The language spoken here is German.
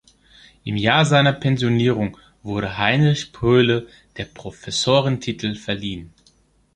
Im Jahr seiner Pensionierung wurde Heinrich Pröhle der Professorentitel verliehen.